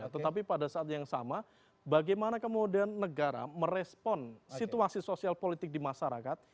tetapi pada saat yang sama bagaimana kemudian negara merespon situasi sosial politik di masyarakat